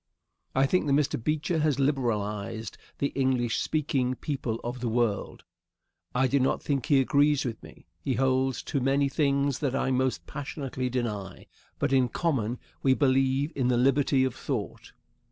I think that Mr. Beecher has liberalized the English speaking people of the world. I do not think he agrees with me. He holds to many things that I most passionately deny. But in common, we believe in the liberty of thought.